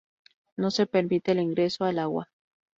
No se permite el ingreso al agua.